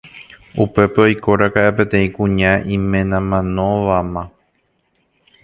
Upépe oikóraka'e peteĩ kuña imenamanóvama